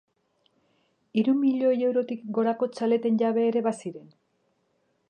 Hiru milioi eurotik gorako txaleten jabe ere baziren.